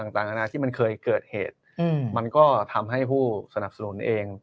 ต่างนานาที่มันเคยเกิดเหตุมันก็ทำให้ผู้สนับสนุนเอง